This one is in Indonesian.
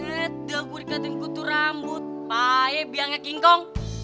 eh udah gue dikatin kutu rambut pahe biangnya kingkong